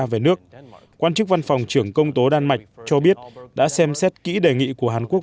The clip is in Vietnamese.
về nước quan chức văn phòng trưởng công tố đan mạch cho biết đã xem xét kỹ đề nghị của hàn quốc